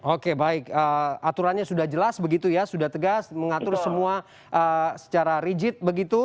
oke baik aturannya sudah jelas begitu ya sudah tegas mengatur semua secara rigid begitu